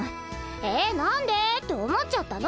え何でって思っちゃったの！